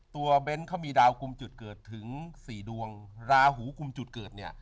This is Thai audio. เบ้นเขามีดาวกลุ่มจุดเกิดถึงสี่ดวงราหูกลุ่มจุดเกิดเนี่ย